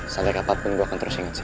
sampai ke apa pun gue akan terus inget sil